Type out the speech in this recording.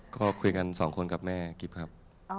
ก็คุยกัน๒คนกับแม่กิ๊บครับ